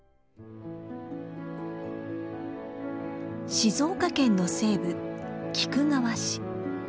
静岡県の西部菊川市。